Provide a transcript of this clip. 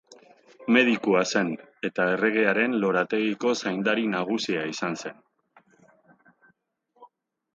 Medikua zen, eta erregearen lorategiko zaindari nagusia izan zen.